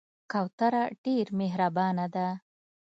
کوتره ډېر مهربانه ده.